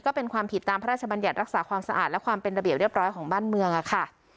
ก็เป็นความผิดตามพระราชบัญญัติรักษาความสะอาดและความเป็นระเบียบเรียบร้อยของบ้านเมืองค่ะ